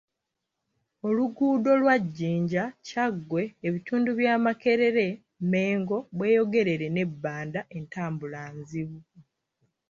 Oluguudo lwa Jinja, Kyaggwe, ebitundu bya Makerere, Mengo, Bweyogerere ne Banda, entambula nzibu.